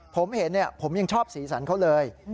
ผมเห็นผมยังชอบสีสันเขาเลย